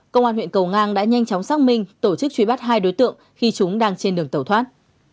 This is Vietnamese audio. công an huyện cầu ngang đã nhanh chóng xác minh tổ chức truy bắt hai đối tượng khi chúng đang trên đường tàu thoát